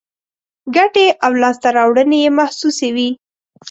ګټې او لاسته راوړنې یې محسوسې وي.